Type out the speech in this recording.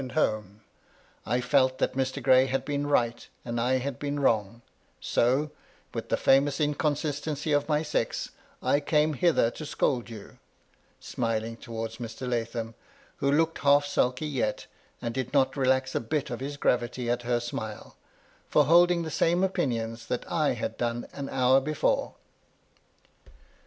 61 and home, — I felt that Mr. Gray had been right and I had been wrong, so, with the famous inconsistency of my sex, I came hither to scold you," smiling towards Mr. Lathom, who looked half sulky yet, and did not relax a bit of his gravity at her smile, " for holding the same opinions that I had done an hour before.